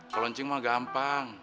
kalau cing mah gampang